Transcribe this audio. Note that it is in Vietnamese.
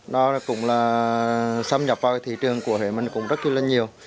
nó cũng là xâm nhập vào thị trường của huế mình cũng rất là nhiều